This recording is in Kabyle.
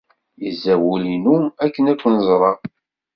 Yezza wul-inu akken ad ken-ẓreɣ.